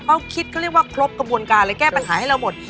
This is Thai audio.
เขาคิดเขาเรียกว่าครบกระบวนการเลยแก้ปัญหาให้เราหมด